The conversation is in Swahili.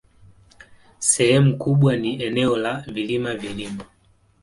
Sehemu kubwa ni eneo la vilima-vilima.